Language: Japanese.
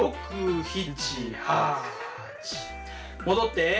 戻って。